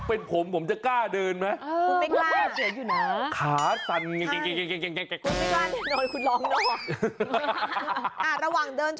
ต้องเดินอีกหนึ่ง